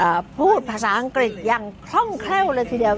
พูดภาษาอังกฤษอย่างคล่องแคล่วเลยทีเดียว